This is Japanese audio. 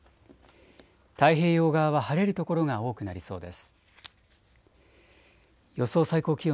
太平洋側は晴れる所が多くなりそうです。